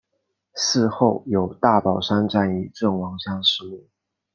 祠后有大宝山战役阵亡将士墓。